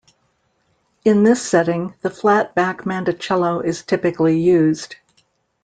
In this setting the flat-back mandocello is typically used.